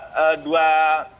dua permulaan bukti yang cukup